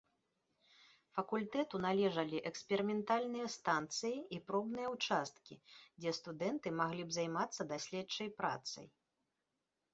Факультэту належалі эксперыментальныя станцыі і пробныя ўчасткі, дзе студэнты маглі б займацца даследчай працай.